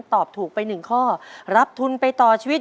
ตอบถูกไป๑ข้อรับทุนไปต่อชีวิต